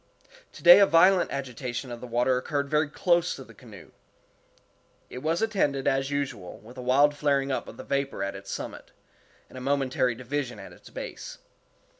Today a violent agitation of the water occurred very close to the canoe. It was attended, as usual, with a wild flaring up of the vapor at its summit, and a momentary division at its base.